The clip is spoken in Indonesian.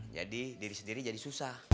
jadi diri sendiri jadi susah